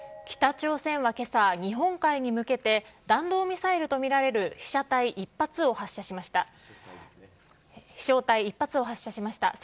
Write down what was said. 北朝鮮はけさ、日本海に向けて、弾道ミサイルと見られる飛しょう体１発を発射しました。